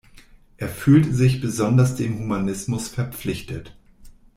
Er fühlt sich besonders dem Humanismus verpflichtet.